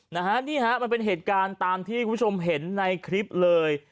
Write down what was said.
นะฮะนี่ฮะมันเป็นเหตุการณ์ตามที่คุณผู้ชมเห็นในคลิปเลย